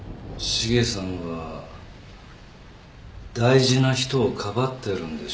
茂さんは大事な人をかばってるんでしょ？